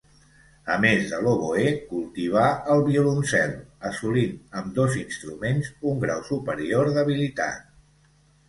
A més de l'oboè, cultivà el violoncel, assolint ambdós instruments un grau superior d'habilitat.